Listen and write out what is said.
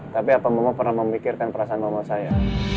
tapi apa mama pernah memikirkan perasaan mama saya